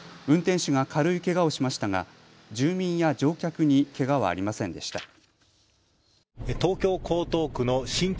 運転手が軽いけがをしましたが住民や乗客にけがはありませんでした。